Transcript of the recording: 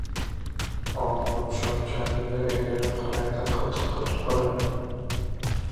Oqpodsho kadiga egilib qaraydi. Qatiqqa tupuradi.